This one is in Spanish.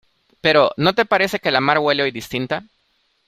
pero ¿ no te parece que la mar huele hoy distinta?